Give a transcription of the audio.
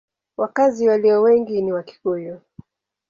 Wakazi walio wengi ni Wakikuyu.